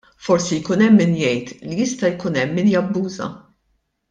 Forsi jkun hemm min jgħid li jista' jkun hemm min jabbuża.